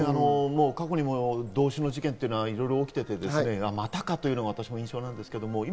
過去にも同種の事件がいろいろ起きていて、またかという印象なんですけれども。